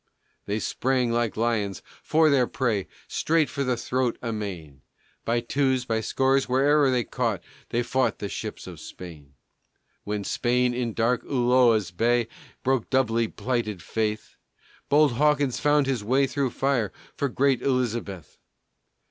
They sprang, like lions, for their prey, Straight for the throat, amain! By twos, by scores, where'er they caught They fought the ships of Spain. When Spain, in dark Ulloa's bay, Broke doubly plighted faith, Bold Hawkins fought his way through fire For great Elizabeth.